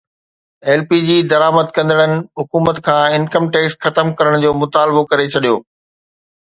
L P G درآمد ڪندڙن حڪومت کان انڪم ٽيڪس ختم ڪرڻ جو مطالبو ڪري ڇڏيو